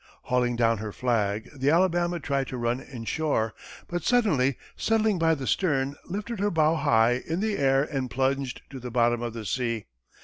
Hauling down her flag, the Alabama tried to run in shore, but suddenly, settling by the stern, lifted her bow high in the air and plunged to the bottom of the sea.